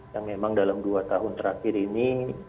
yang memang dalam dua tahun terakhir ini